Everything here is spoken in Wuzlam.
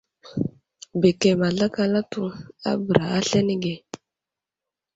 Bəkəm azlakal atu a bəra aslane ge.